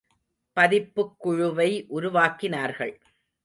பதிப்புக் குழுவை உருவாக்கினார்கள்.